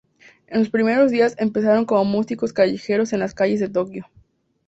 En sus primeros días empezaron como músicos callejeros en las calles de Tokyo.